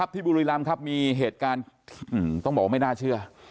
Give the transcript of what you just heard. บุรีรำครับมีเหตุการณ์ต้องบอกว่าไม่น่าเชื่อ